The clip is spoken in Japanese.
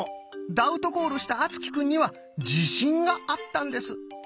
ダウトコールした敦貴くんには自信があったんです。